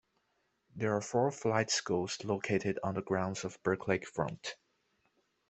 There are four flight schools located on the grounds of Burke Lakefront.